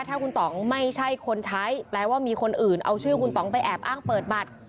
ถ้าคุณต่องไม่ใช่คนใช้แปลว่ามีคนอื่นเอาชื่อคุณต่องไปแอบอ้างเปิดบัตร